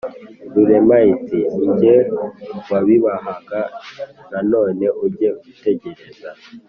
rurema iti:" ni jye wabibahaga nanone ujye utegereza,